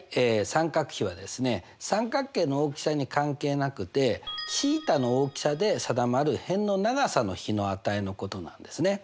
三角比は三角形の大きさに関係なくてθの大きさで定まる辺の長さの比の値のことなんですね。